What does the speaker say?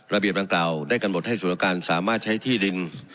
ระเบียบต่างเก่าได้กันบทให้สุรการสามารถใช้ที่ดิน